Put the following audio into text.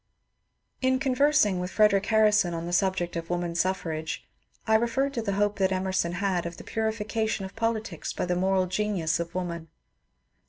In conversing with Frederic Harrison on the subject of woman suffrage, I referred to the hope that Emerson had of the purification of politics by the '' moral genius " of woman.